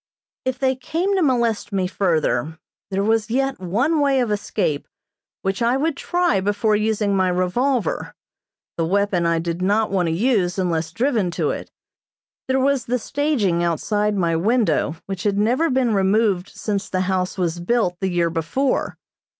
If they came to molest me further there was yet one way of escape which I would try before using my revolver. The weapon I did not want to use unless driven to it. There was the staging outside my window which had never been removed since the house was built, the year before.